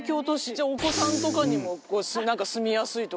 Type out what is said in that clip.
じゃあお子さんとかにもなんか住みやすいとか。